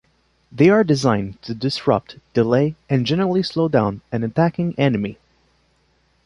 They are designed to disrupt, delay and generally slow down an attacking enemy.